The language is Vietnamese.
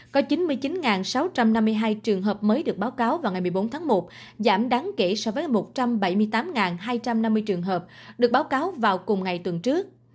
có chín mươi chín sáu trăm năm mươi hai trường hợp mới được báo cáo vào ngày một mươi bốn tháng một giảm đáng kể so với một trăm bảy mươi tám hai trăm năm mươi trường hợp được báo cáo vào cùng ngày tuần trước